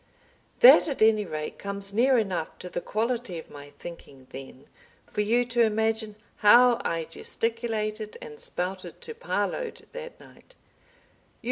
That at any rate comes near enough to the quality of my thinking, then, for you to imagine how I gesticulated and spouted to Parload that night.